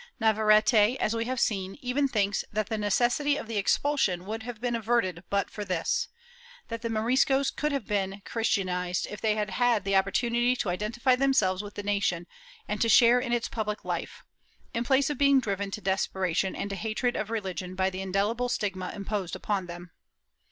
Navarrete, as we have seen, even thinks that the necessity of the expulsion would have been averted but for this; that the Moriscos could have been Christian ized, if they had had the opportunity to identify themselves with the nation and to share in its public life, in place of being driven to desperation and to hatred of reUgion by the indelible stigma imposed upon them.